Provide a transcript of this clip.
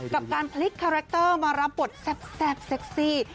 กับการพลิกคาแรคเตอร์มารับบทแซ่บเซ็กซี่